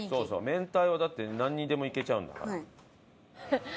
明太はだってなんにでもいけちゃうんだから。